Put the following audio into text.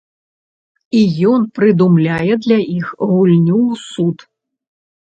І ён прыдумляе для іх гульню ў суд.